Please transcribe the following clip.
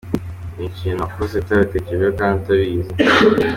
Ni ikintu wakoze utabitekerejeho kandi utabizi.